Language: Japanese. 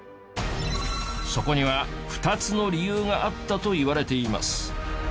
そこには２つの理由があったといわれています。